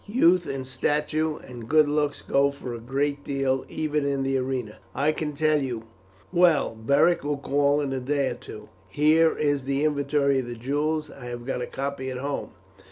Youth and stature and good looks go for a great deal even in the arena, I can tell you. Well, Beric will call in a day or two. Here is the inventory of the jewels; I have got a copy at home.